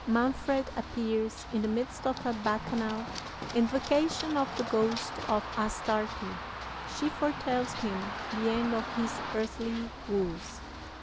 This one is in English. Manfred appears in the midst of a bacchanal. Invocation of the ghost of Astarte. She foretells him the end of his earthly woes.